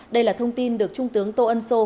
đây là thông tin được trung tướng tô ân sô